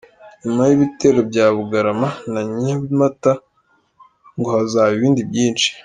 Nyuma y’ibitero bya Bugarama na Nyabimata ngo hazaba ibindi byinshi!